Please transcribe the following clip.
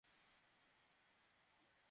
Call দাও রে ভাই!